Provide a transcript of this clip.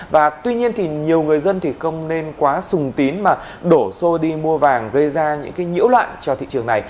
và tuy nhiên thì nhiều người dân thì không nên quá sùng tín mà đổ xô đi mua vàng gây ra những cái nhiễu loạn cho thị trường này